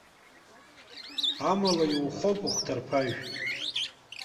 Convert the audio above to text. Амала иухоуп ухҭыԥажә.